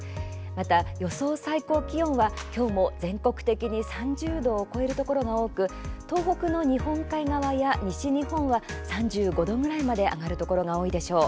また、予想最高気温は今日も全国的に３０度を超えるところが多く東北の日本海側や西日本は３５度くらいまで上がるところが多いでしょう。